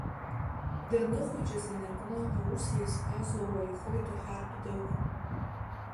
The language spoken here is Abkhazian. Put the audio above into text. Даныхәыҷыз инаркны аус иазҟазоу уаҩхоит уҳәартә дыҟан.